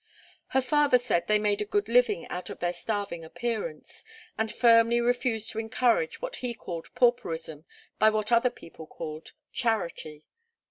Her father said they made a good living out of their starving appearance, and firmly refused to encourage what he called pauperism by what other people called charity.